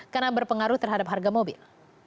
karena berpengaruh terhadap harga mobil